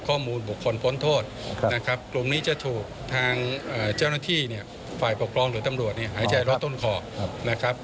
กรุ่มนี้จะถูกทางเจ้าหน้าที่ฝ่ายปกครองหรือตำรวจหายใจรถต้นขอ